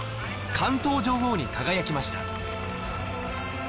関東女王に輝きました